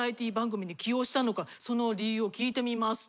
その理由を聞いてみますと。